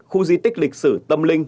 khu di tích lịch sử tâm linh